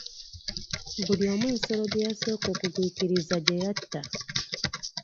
Buli omu ensolo gye yasooka okugwikiriza gye yatta.